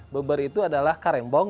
beber itu adalah karembong